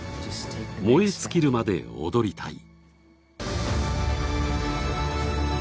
燃え尽きるまで踊りたい。